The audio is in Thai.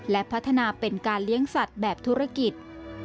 และพัฒนาเป็นการเลี้ยงสัตว์แบบธุรกิจ